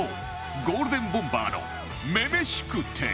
ゴールデンボンバーの『女々しくて』